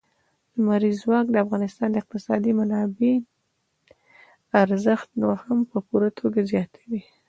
لمریز ځواک د افغانستان د اقتصادي منابعم ارزښت نور هم په پوره توګه زیاتوي.